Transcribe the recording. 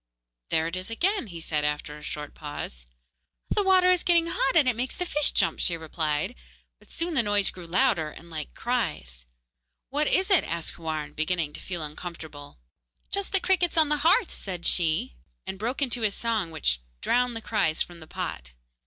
'There it is again,' he said, after a short pause. 'The water is getting hot, and it makes the fish jump,' she replied; but soon the noise grew louder and like cries. 'What is it?' asked Houarn, beginning to feel uncomfortable. 'Just the crickets on the hearth,' said she, and broke into a song which drowned the cries from the pot.